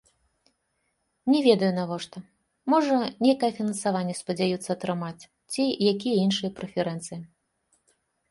Не ведаю, навошта, можа, нейкае фінансаванне спадзяюцца атрымаць ці якія іншыя прэферэнцыі.